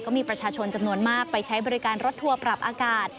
ก็มีประชาชนจำนวนมากไปใช้บริการรถทัวร์ปรับอากาศ